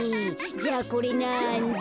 じゃあこれなんだ？